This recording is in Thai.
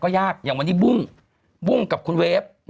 คือยังวันนี้บุ้งกับคุณเวฟ